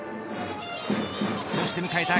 そして迎えた